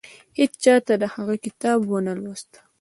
هیچا د هغه کتاب ونه لوست.